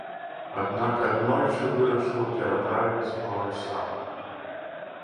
Аднак аднойчы вырашыў пераправіць зброю сам.